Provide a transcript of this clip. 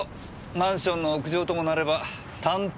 マンションの屋上ともなれば探偵じゃあねぇ。